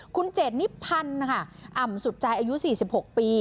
คุณเจดนิพันธ์นะคะอ่ำสุดใจอายุ๔๖ปี